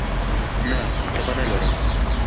نه، تبه نه لرم